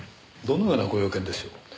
どのようなご用件でしょう？